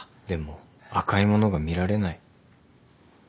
でも赤いものが見られない。